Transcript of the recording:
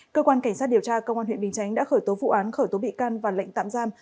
cơ quan cảnh sát điều tra công an huyện bình chánh đã khởi tố vụ án khởi tố bị can và lệnh tạm giam